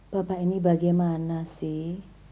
bapak ini bagaimana sih